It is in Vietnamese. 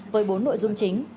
với bốn nội dung chính